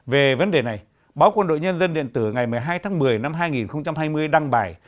về vấn đề này báo quân đội nhân dân điện tử ngày một mươi hai tháng một mươi năm hai nghìn hai mươi đăng bài